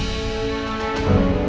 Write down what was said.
gimana kita akan menikmati rena